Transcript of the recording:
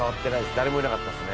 誰もいなかったですね。